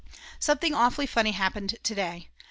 Something awfully funny happened to day.